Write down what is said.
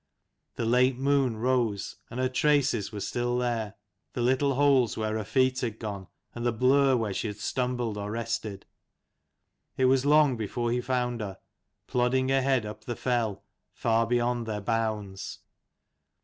The late moon rose, and her traces were still there, the little holes where her feet had gone, and the blur where she had stumbled or rested. It was long before he found her, plodding ahead up the fell, far beyond their bounds.